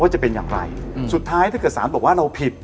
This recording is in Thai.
จะเป็นอย่างไรสุดท้ายถ้าเกิดสารบอกว่าเราผิด